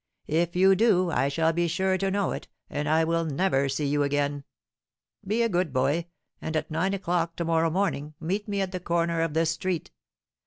If you do, I shall be sure to know it, and I will never see you again. Be a good boy; and at nine o'clock to morrow morning, meet me at the corner of this street.'